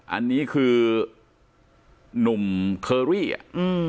อันนี้คือนุ่มเคอรี่อะ